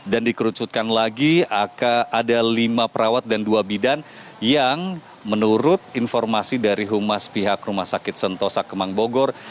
dan dikerucutkan lagi ada lima perawat dan dua bidan yang menurut informasi dari rumah sakit sentosa kemang bogor